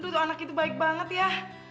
aduh anak itu baik banget ya